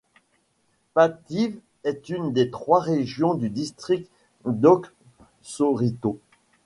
Pattiw est une des trois régions du district d'Oksoritod.